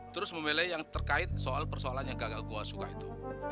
terus memilih yang terkait soal persoalan yang gagal gue suka itu